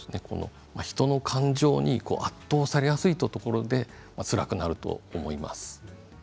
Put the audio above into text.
人の感情に圧倒されやすいところでつらくなると思います。